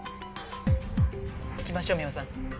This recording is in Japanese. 行きましょう美穂さん。